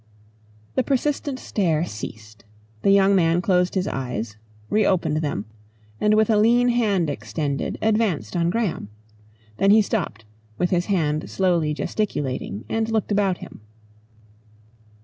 The persistent stare ceased. The young man closed his eyes, reopened them, and with a lean hand extended, advanced on Graham. Then he stopped, with his hand slowly gesticulating, and looked about him.